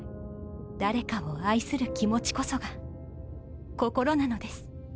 誰かを愛する気持ちこそが心なのです。